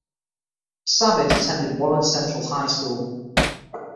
Savage attended Warren Central High School.